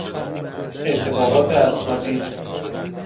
اعتبارات اسنادی